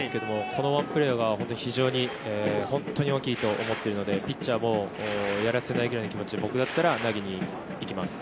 このワンプレーは非常に本当に大きいと思うのでピッチャーもやらせないように僕だったら投げに行きます。